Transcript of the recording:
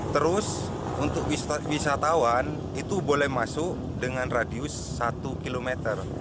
terus untuk wisatawan itu boleh masuk dengan radius satu km